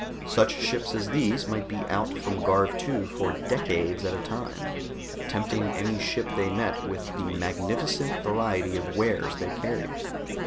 Such ships as these might be out from Garv II for decades at a time, tempting any ship they met with the magnificent variety of wares they carried.